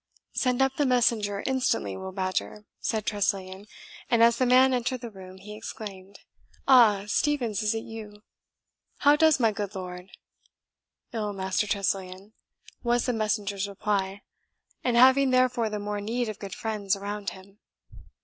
"Send up the messenger instantly, Will Badger," said Tressilian; and as the man entered the room, he exclaimed, "Ah, Stevens, is it you? how does my good lord?" "Ill, Master Tressilian," was the messenger's reply, "and having therefore the more need of good friends around him."